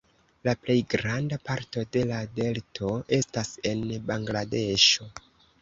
La plej granda parto de la delto estas en Bangladeŝo.